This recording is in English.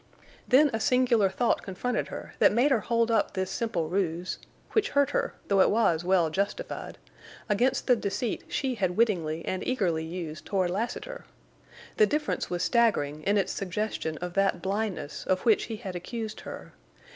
Then a singular thought confronted her that made her hold up this simple ruse—which hurt her, though it was well justified—against the deceit she had wittingly and eagerly used toward Lassiter. The difference was staggering in its suggestion of that blindness of which he had accused her.